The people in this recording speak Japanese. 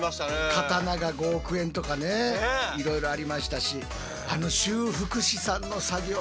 刀が５億円とかねいろいろありましたし。